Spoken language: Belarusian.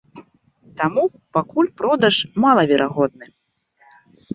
Таму пакуль продаж малаверагодны.